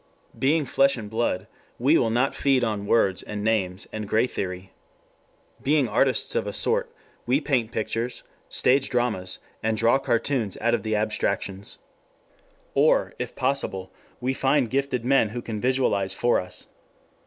Being flesh and blood we will not feed on words and names and gray theory. Being artists of a sort we paint pictures, stage dramas and draw cartoons out of the abstractions. Or, if possible, we find gifted men who can visualize for us.